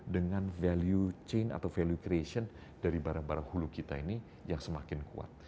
dengan value chain atau value creation dari barang barang hulu kita ini yang semakin kuat